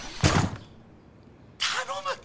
頼む！